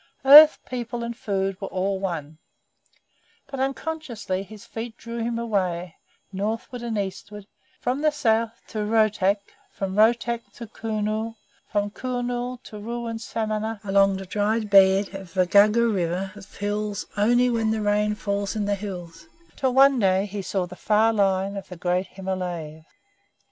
Earth, people, and food were all one. But unconsciously his feet drew him away northward and eastward; from the south to Rohtak; from Rohtak to Kurnool; from Kurnool to ruined Samanah, and then up stream along the dried bed of the Gugger river that fills only when the rain falls in the hills, till one day he saw the far line of the great Himalayas.